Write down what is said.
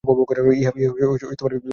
ইহা কিছু নূতন ব্যাপার নহে।